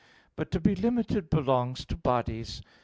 But to be limited belongs to bodies.